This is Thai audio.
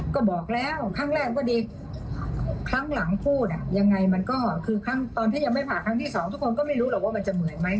ก็บอกแล้วครั้งแรกก็ดีครั้งหลังพูดยังไงมันก็คือครั้งตอนที่ยังไม่ผ่าครั้งที่สองทุกคนก็ไม่รู้หรอกว่ามันจะเหนื่อยไหม